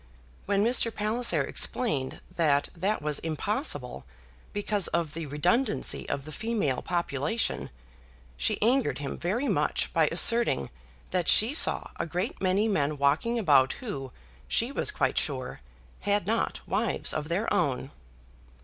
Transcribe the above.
When Mr. Palliser explained that that was impossible, because of the redundancy of the female population, she angered him very much by asserting that she saw a great many men walking about who, she was quite sure, had not wives of their own.